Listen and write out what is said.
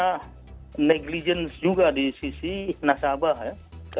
istilahnya negligence juga di sisi nasabah ya